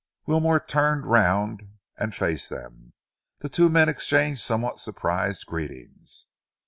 Wilmore turned around and faced them. The two men exchanged somewhat surprised greetings.